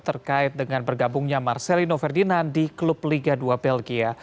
terkait dengan bergabungnya marcelino ferdinand di klub liga dua belgia